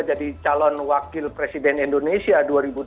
jadi calon wakil presiden indonesia dua ribu dua puluh empat